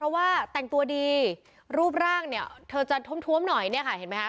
เพราะว่าแต่งตัวดีรูปร่างเนี่ยเธอจะท้มท้วมหน่อยเนี่ยค่ะเห็นไหมคะ